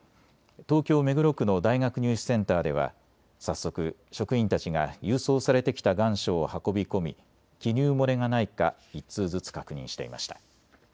東京目黒区の大学入試センターでは早速、職員たちが郵送されてきた願書を運び込み記入漏れがないか１通ずつ確認していました。